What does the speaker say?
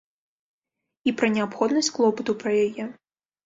І пра неабходнасць клопату пра яе.